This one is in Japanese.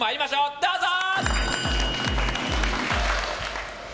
どうぞ。